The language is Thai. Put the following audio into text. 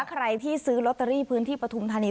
ใครที่ซื้อลอตเตอรี่พื้นที่ปฐุมธานี